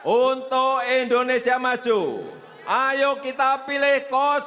untuk indonesia maju ayo kita pilih satu